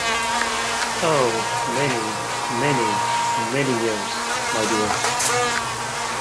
Oh, many, many, many years, my dear.